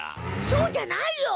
そうじゃないよ！